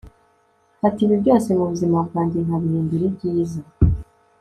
mfata ibibi byose mu buzima bwanjye, nkabihindura ibyiza